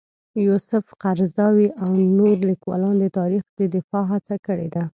یوسف قرضاوي او نور لیکوالان د تاریخ د دفاع هڅه کړې ده.